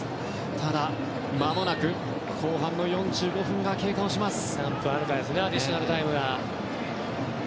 ただ、まもなく後半の４５分が経過します。